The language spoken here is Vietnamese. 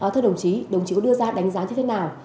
thưa đồng chí đồng chí có đưa ra đánh giá như thế nào